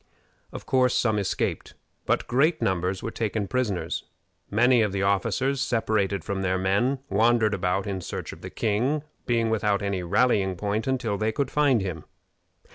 Of course some escaped, but great numbers were taken prisoners. Many of the officers, separated from their men, wandered about in search of the king, being without any rallying point until they could find him.